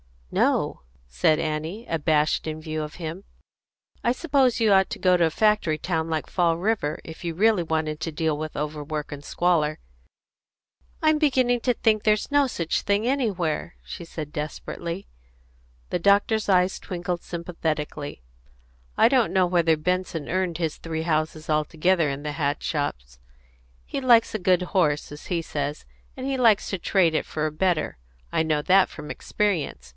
"No," said Annie, abashed in view of him. "I suppose you ought to go to a factory town like Fall River, if you really wanted to deal with overwork and squalor." "I'm beginning to think there's no such thing anywhere," she said desperately. The doctor's eyes twinkled sympathetically. "I don't know whether Benson earned his three houses altogether in the hat shops. He 'likes a good horse,' as he says; and he likes to trade it for a better; I know that from experience.